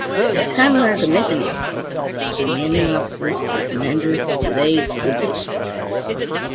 At the time of her commissioning, the commanding officer was Commander Gilles Goulet.